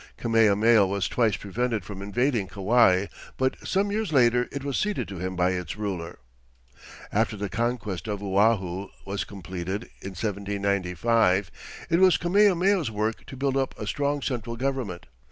Kamehameha was twice prevented from invading Kauai, but some years later it was ceded to him by its ruler. After the conquest of Oahu was completed, in 1795, it was Kamehameha's work to build up a strong central government.